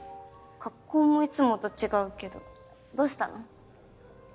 格好もいつもと違うけどどうしたの？